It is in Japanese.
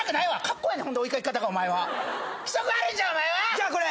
じゃあこれ。